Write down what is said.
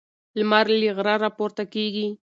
لمر له غره راپورته کیږي.